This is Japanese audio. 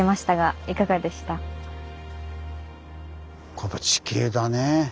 この地形だね。